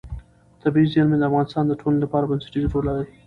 طبیعي زیرمې د افغانستان د ټولنې لپاره بنسټيز رول لري.